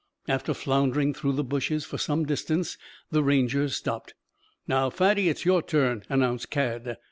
After floundering through the bushes for some distance the Rangers stopped. "Now, Fatty, it's your turn," announced Cad.